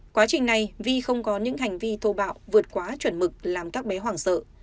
quá trình này vi không có những hành vi thô bạo vượt quá chuẩn mực làm các bé hoảng sợ